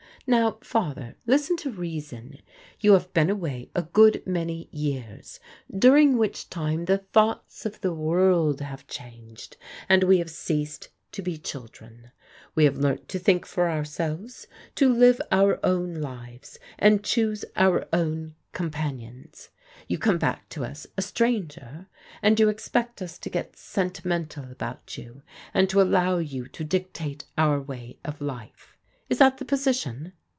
Now, Father, listen to reason. You have been away a good many years, during which time the thoughts of the world have changed and we have ceased to be children. We have learnt to think for our selves, to live our own lives, and choose our own com panions. You come back to us, a stranger, and you ex pect us to get sentimental about you, and to allow you to dictate our way of life. Is that the position?